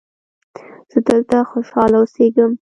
زه دلته خوشحاله اوسیږم.